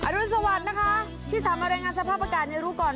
อรุณสวัสดิ์นะคะที่สามอะไรงานสภาพอากาศอย่ารู้ก่อน